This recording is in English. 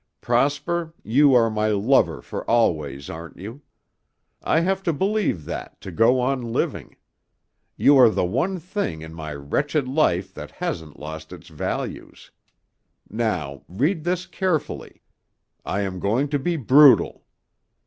Prosper, you are my lover for always, aren't you? I have to believe that to go on living. You are the one thing in my wretched life that hasn't lost its value. Now, read this carefully; I am going to be brutal.